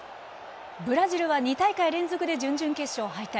ブラジルは２大会連続で準々決勝敗退。